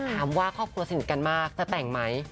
ครอบครัวสนิทกันมากจะแต่งไหม